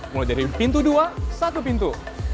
mulai dari pintu dua satu pintu